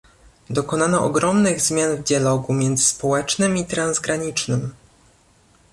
Dokonano ogromnych zmian w dialogu międzyspołecznym i transgranicznym